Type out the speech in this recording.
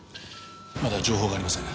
まだ情報がありません。